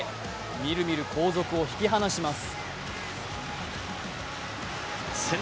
みるみる後続を引き離します。